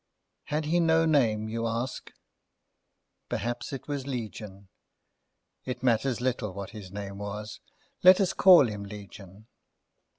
Had he no name, you ask? Perhaps it was Legion. It matters little what his name was. Let us call him Legion.